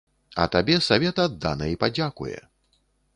А табе савет аддана і падзякуе.